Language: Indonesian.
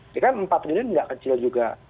ya kan empat triliun nggak kecil juga